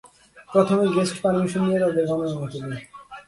প্রথমে guest permission নিয়ে তাঁদের গণরুমে তুলি।